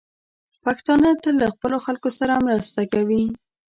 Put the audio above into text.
پښتانه تل له خپلو خلکو سره مرسته کوي.